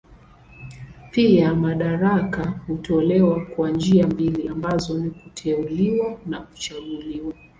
Pia madaraka hutolewa kwa njia mbili ambazo ni kuteuliwa na kuchaguliwa.